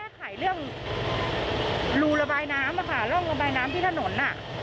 ขายเรื่องรูระบายน้ำร่องระบายน้ำที่ถนน